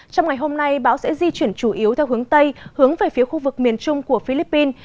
trong ngày hôm nay bão sẽ di chuyển chủ yếu theo hướng tây hướng về phía khu vực miền trung của philippines